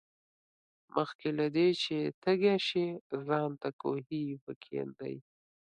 مخکې له دې چې تږي شې ځان ته کوهی وکیندئ.